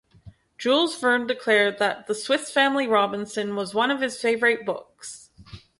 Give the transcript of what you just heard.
Jules Verne declared that "The Swiss Family Robinson" was one of his favorite books.